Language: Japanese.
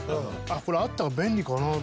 これあったら便利かな。